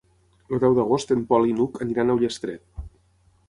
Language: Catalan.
El deu d'agost en Pol i n'Hug aniran a Ullastret.